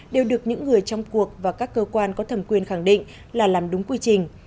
đều được những người trong cuộc và các cơ quan có thẩm quyền khẳng định là làm đúng quy trình